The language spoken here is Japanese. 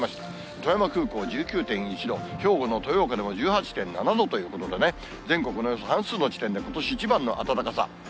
富山空港１９．１度、兵庫の豊岡でも１８．７度ということでね、全国のおよそ半数の地点で、ことし一番の暖かさ。